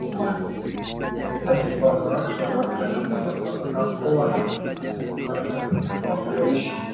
kiasi kwamba hakuwa na himaya maalumu ya kuishi